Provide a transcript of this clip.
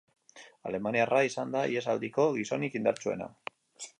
Alemaniarra izan da ihesaldiko gizonik indartsuena.